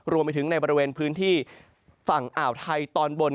รวมไปถึงในบริเวณพื้นที่ฝั่งอ่าวไทยตอนบน